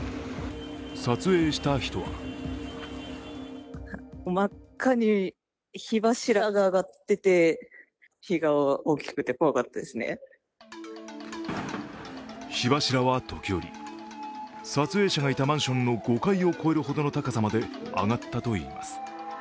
撮影した人は火柱は時折、撮影者がいたマンショの５階を超えるほどの高さまで上がったといいます。